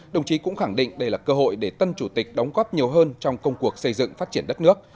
đồng chí cũng khẳng định đây là cơ hội để tân chủ tịch đóng góp nhiều hơn trong công cuộc xây dựng phát triển đất nước